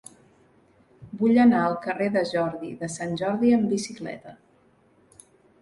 Vull anar al carrer de Jordi de Sant Jordi amb bicicleta.